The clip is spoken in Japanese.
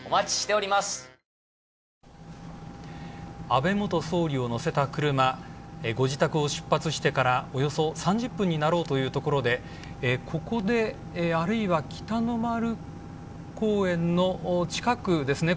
安倍元総理を載せた車ご自宅を出発してからおよそ３０分になろうというところで北の丸公園の近くですね。